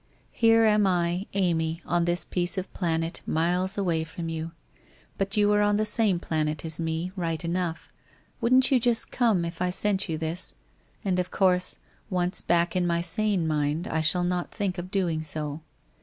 Here am I, Amy, on this piece of planet, miles away from you! But you are on the same planet as me, right enough. Wouldn't you just come if I sent you this? And of course, once back in my sane mind, I shall not think of doing so.